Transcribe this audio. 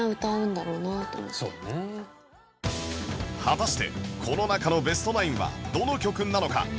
果たしてこの中のベスト９はどの曲なのか？